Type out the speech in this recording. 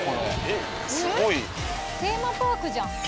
テーマパークじゃん。